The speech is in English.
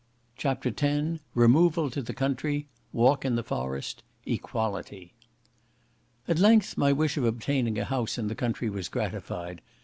CHAPTER X Removal to the country—Walk in the forest—Equality At length my wish of obtaining a house in the country was gratified.